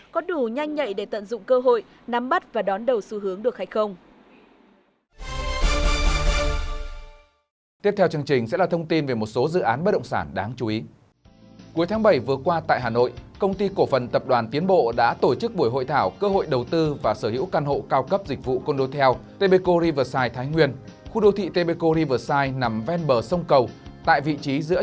có đủ nhanh nhạy để tận dụng cơ hội nắm bắt và đón đầu xu hướng được hay không